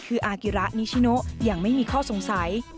คืออากิระนิชิโนยังไม่มีข้อสงสัย